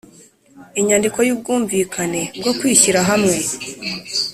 Inyandiko y ubwumvikane bwo kwishyirahamwe